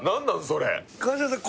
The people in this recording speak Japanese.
それ川島さん